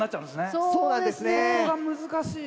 そこが難しい。